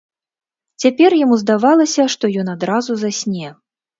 Цяпер яму здавалася, што ён адразу засне.